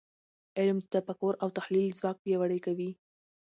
علم د تفکر او تحلیل ځواک پیاوړی کوي .